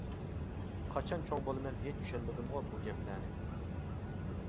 قاچان چوڭ بولىمەن ھېچ چۈشەنمىدىمغۇ بۇ گەپلەرنى.